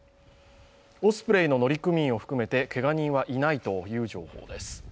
オスプレイの乗組員を含めてけが人はいないという情報です。